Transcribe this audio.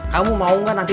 kamu mau gak nanti